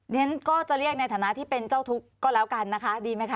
ฉันก็จะเรียกในฐานะที่เป็นเจ้าทุกข์ก็แล้วกันนะคะดีไหมคะ